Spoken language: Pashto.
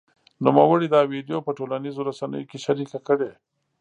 نوموړي دا ویډیو په ټولنیزو رسنیو کې شرېکه کړې